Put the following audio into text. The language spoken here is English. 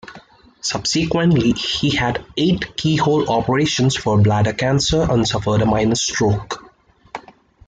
Subsequently he had eight keyhole operations for bladder cancer and suffered a minor stroke.